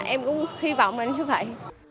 em cũng hy vọng là như vậy